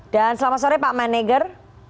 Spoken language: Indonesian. selamat sore pak maneger